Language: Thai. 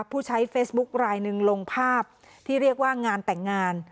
ผู้ใช้เฟซบุ๊คลายหนึ่งลงภาพที่เรียกว่างานแต่งงาน